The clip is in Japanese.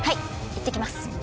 いってきます。